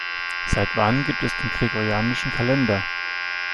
Seit wann gibt es den gregorianischen Kalender?